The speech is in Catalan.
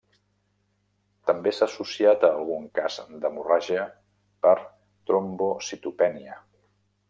També s'ha associat a algun cas d'hemorràgia per trombocitopènia.